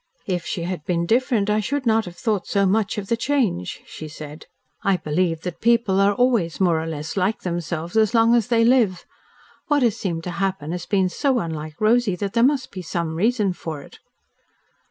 "If she had been different I should not have thought so much of the change," she said. "I believe that people are always more or less LIKE themselves as long as they live. What has seemed to happen has been so unlike Rosy that there must be some reason for it."